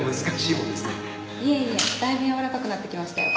いえいえだいぶ柔らかくなってきましたよ。